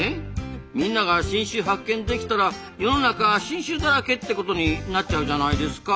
みんなが新種発見できたら世の中新種だらけってことになっちゃうじゃないですか。